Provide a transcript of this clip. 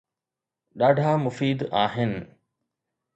ڏاڍا مفيد آهن